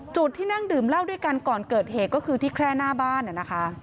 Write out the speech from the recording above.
จุดที่นั่งดื่มเหล้าด้วยกันก่อนเกิดเหตุก็คือที่แค่หน้าบ้านนะคะ